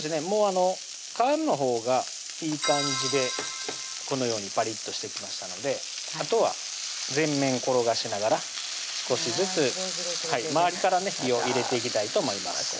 もう皮目のほうがいい感じでこのようにパリッとしてきましたのであとは全面転がしながら少しずつ周りからね火を入れていきたいと思います